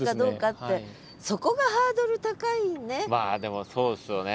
まあでもそうですよね